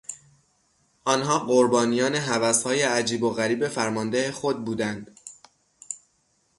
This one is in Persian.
آنها قربانیان هوسهای عجیب و غریب فرمانده خود بودند.